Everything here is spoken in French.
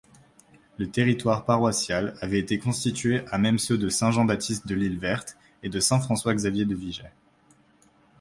Le territoire paroissial avait été constitué à même ceux de Saint-Jean-Baptiste-de-l'Isle-Verte et de Saint-François-Xavier-de-Viger.